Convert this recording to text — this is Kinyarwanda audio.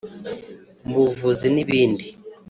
mu buvuzi n’ibindi